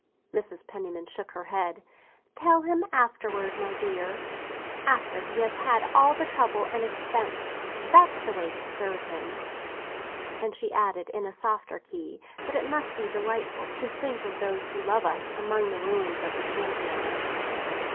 Mrs. Penniman shook her head. "Tell him afterwards, my dear! After he has had all the trouble and the expense! That's the way to serve him." And she added, in a softer key, that it must be delightful to think of those who love us among the ruins of the Pantheon.